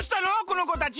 この子たち。